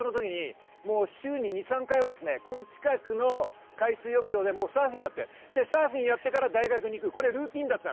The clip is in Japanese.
週に２３回、こちらの海水浴場でサーフィンをやって、サーフィンやってから大学に行くのがルーティンだった。